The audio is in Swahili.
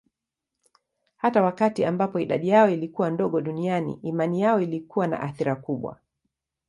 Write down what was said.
Hata wakati ambapo idadi yao ilikuwa ndogo duniani, imani yao ilikuwa na athira kubwa.